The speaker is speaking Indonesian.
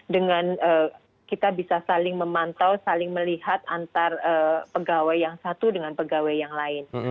dengan kita bisa saling memantau saling melihat antar pegawai yang satu dengan pegawai yang lain